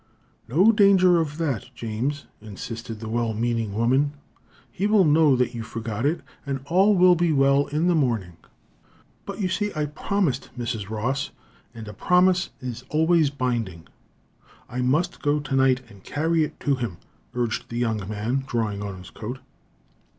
"No danger of that, James," insisted the well meaning woman. "He will know that you forgot it, and all will be well in the morning." "But, you see, I promised, Mrs. Ross, and a promise is always binding. I must go tonight, and carry it to him," urged the young man, drawing on his coat.